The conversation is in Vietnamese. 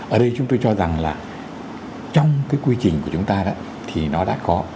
ở đây chúng tôi cho rằng là trong cái quy trình của chúng ta thì nó đã có